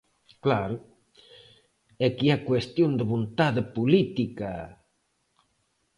Claro, ¡é que é cuestión de vontade política!